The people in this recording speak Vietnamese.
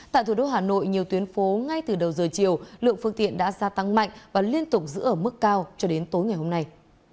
tại thủ đô hà nội nhiều tuyến phố ngay từ đầu giờ chiều lượng phương tiện đã gia tăng mạnh và liên tục giữ ở mức cao cho đến tối ngày hôm nay